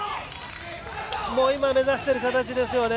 今、目指している形ですよね。